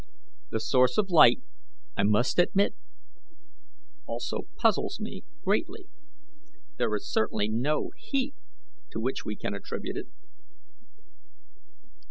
The source of the light, I must admit, also puzzles me greatly. There is certainly no heat to which we can attribute it."